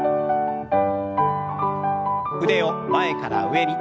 腕を前から上に。